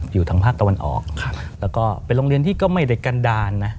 อยู่ทางภาคตะวันออกแล้วก็เป็นโรงเรียนที่ก็ไม่ได้กันดาลนะ